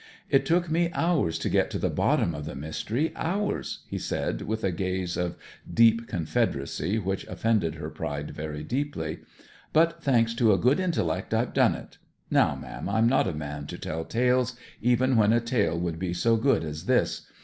'It took me hours to get to the bottom of the mystery hours!' he said with a gaze of deep confederacy which offended her pride very deeply. 'But thanks to a good intellect I've done it. Now, ma'am, I'm not a man to tell tales, even when a tale would be so good as this.